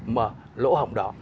mà lỗ hồng đỏ